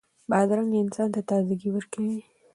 بادرنګ انسان ته تازهګۍ ورکوي.